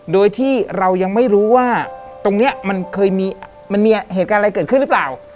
โดยที่เรายังไม่รู้ว่าตรงนี้มันเคยมีมันมีเหตุการณ์อะไรเกิดขึ้นหรือเปล่า